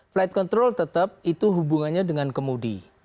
flight control tetap itu hubungannya dengan kemudi